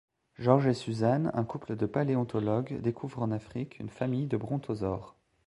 Georges et Susan, un couple de paléontologues, découvre en Afrique une famille de brontosaures.